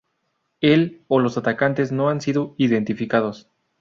El o los atacantes no han sido identificados.